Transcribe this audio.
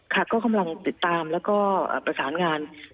ค่ะก็กำลังติดตามแล้วก็ประสานงาน